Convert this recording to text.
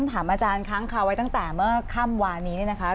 ถามอาจารย์ค้างคาไว้ตั้งแต่เมื่อค่ำวานนี้เนี่ยนะคะ